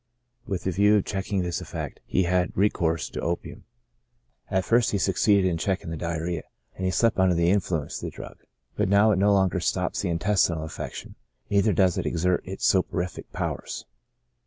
With the view of checking this effect, he had recourse to opium. At first he succeeded in checking the diarrhoea, and he slept under the influence of the drug ; but now it no longer stops TREATMENT. 89 the intestinal affection, neither does it exert its soporific powers.